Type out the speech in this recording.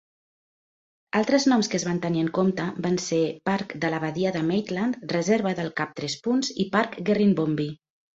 Altres noms que es van tenir en compte van ser "Parc de la Badia de Maitland", "Reserva del Cap Tres Punts" i "Parc Gerrinbombi".